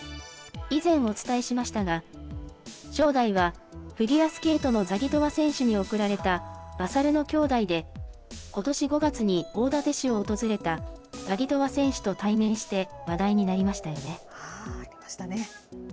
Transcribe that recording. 以前お伝えしましたが、勝大はフィギュアスケートのザギトワ選手に贈られたマサルのきょうだいで、ことし５月に大館市を訪れたザギトワ選手と対面して、話題になりましたよね。